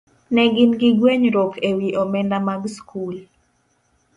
ne gin gi gwenyruok e wi omenda mag skul.